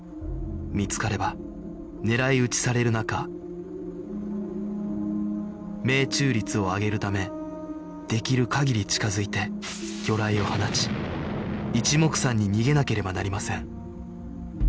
見つかれば狙い撃ちされる中命中率を上げるためできる限り近づいて魚雷を放ち一目散に逃げなければなりません